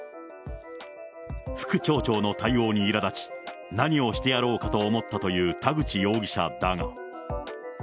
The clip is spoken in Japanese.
副町長の対応にいらだち、何をしてやろうかと思ったという田口容疑者だが。